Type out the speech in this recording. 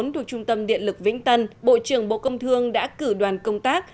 thuộc trung tâm điện lực vĩnh tân bộ trưởng bộ công thương đã cử đoàn công tác